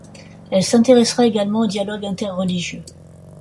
Elle s'intéressera également au dialogue inter-religieux.